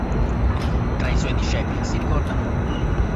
Tra i suoi discepoli si ricordano